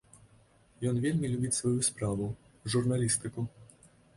Ён вельмі любіць сваю справу, журналістыку.